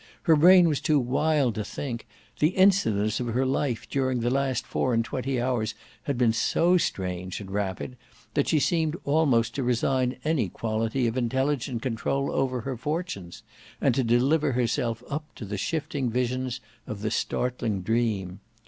Her brain was too wild to think: the incidents of her life during the last four and twenty hours had been so strange and rapid that she seemed almost to resign any quality of intelligent control over her fortunes, and to deliver herself up to the shifting visions of the startling dream.